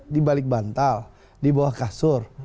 dibalik bantal dibawah kasur